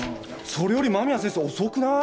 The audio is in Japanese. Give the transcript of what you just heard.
それより間宮先生遅くない？